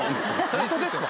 ホントですか？